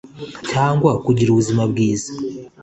cyangwa kugira ubuzima bwiza